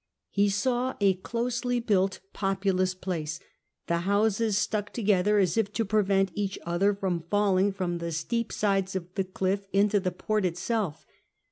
He saw a closely built populous jjlaccj, the houses stuck together as if to prevent each other from facing from the steep sides of the cliff into the port itself.